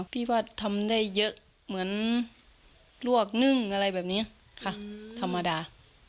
พี่ว่าทำได้เยอะเหมือนลวกนึ่งอะไรแบบนี้ค่ะธรรมดา